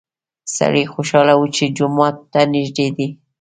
سړی خوشحاله و چې جومات ته نږدې دی.